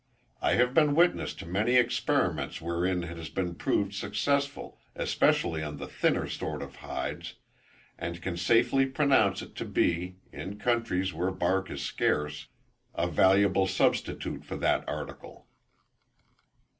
I have been witness to many experiments wherein it has proved successful, especially on the thinner sorts of hides, and can safely pronounce it to be, in countries where bark is scarce, a valuable substitute for that article.